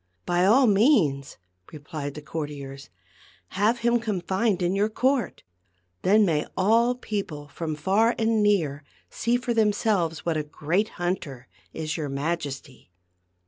" By all means," replied the courtiers, " have him confined in your court ; then may all peo ple from far and near see for themselves what a great hunter is your Majesty.